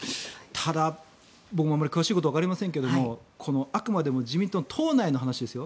ただ、僕もあまり詳しいことはわかりませんけどもあくまでも自民党党内の話ですよ。